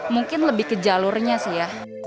mungkin lebih ke jalurnya sih ya